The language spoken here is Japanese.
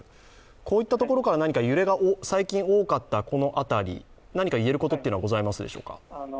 こういったところから揺れが最近、多かったこのあたり、なにかいえることはありますでしょうか。